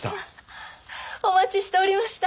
お待ちしておりました。